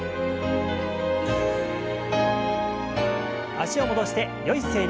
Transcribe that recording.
脚を戻してよい姿勢に。